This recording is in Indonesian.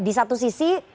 di satu sisi